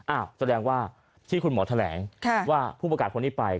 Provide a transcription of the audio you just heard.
แสดงว่าที่คุณหมอแถลงว่าผู้ประกาศคนนี้ไป